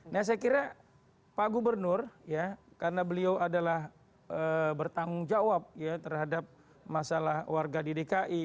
nah saya kira pak gubernur ya karena beliau adalah bertanggung jawab ya terhadap masalah warga di dki